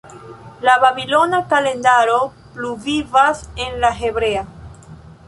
La babilona kalendaro pluvivas en la hebrea.